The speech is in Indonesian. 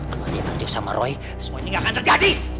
kemudian aku dan roy semua ini gak akan terjadi